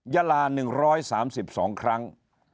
ยาลา๑๓๒ครั้ง